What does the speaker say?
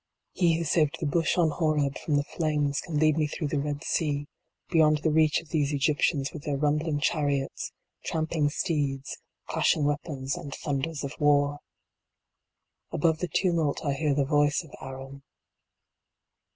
He who saved the bush on Horeb from the flames can lead me through the Red Sea, beyond the reach of these Egyptians with their rumbling chariots, tramping steeds, clashing weapons, and thunders of war. Above the tumult I hear the voice of Aaron.